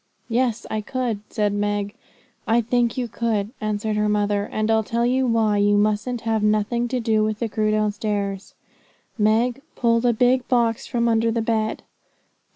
'Yes, I could,' said Meg. 'I think you could,' answered her mother, 'and I'll tell you why you mustn't have nothing to do with the crew downstairs. Meg, pull the big box from under the bed.'